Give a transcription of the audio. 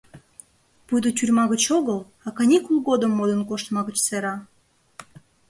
Пуйто тюрьма гыч огыл, а каникул годым модын коштма гыч сера.